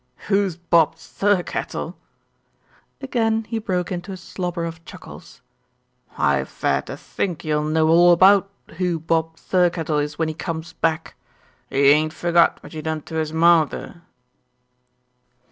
"Who's Bob Thirkettle!" Again he broke into a slobber of chuckles. "I fare to think you'll know all about who Bob Thirkettle is when he comes back. He ain't forgot what you done to his mawther."